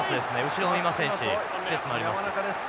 後ろもいませんしスペースもありますし。